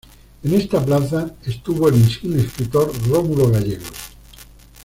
En esta plaza estuvo el insigne escritor Rómulo Gallegos.